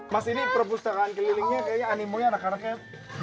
mas ini perpustakaan kelilingnya kayaknya animo nya anak anaknya